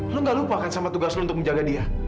lu gak lupa kan sama tugas lo untuk menjaga dia